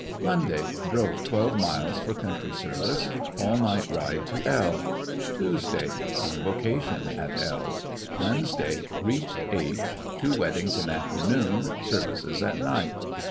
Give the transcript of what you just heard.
Monday. Drove twelve miles for country service. All night ride to L . Tuesday. Convocation at L "Wednesday. Beached H . Two wed dings in afternoon, services at night.